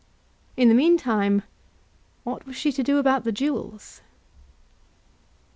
In the meantime, what was she to do about the jewels?